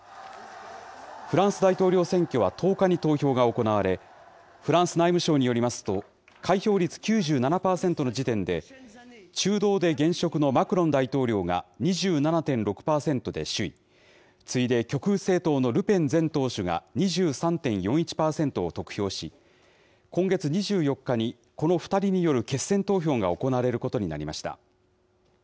フランス大統領選挙は１０日に投票が行われ、フランス内務省によりますと、開票率９７％の時点で、中道で現職のマクロン大統領が２７．６％で首位、次いで極右政党のルペン前党首が２３．４１％を得票し、今月２４日にこの２人による決選投票が行われることになりました。